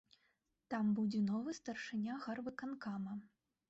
Там будзе новы старшыня гарвыканкама.